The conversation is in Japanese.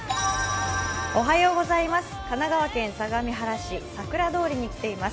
神奈川県相模原市、桜通りに来ています。